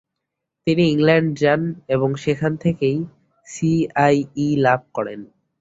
তিনি ইংল্যান্ড যান এবং সেখান থেকেই সি আই ই লাভ করেন।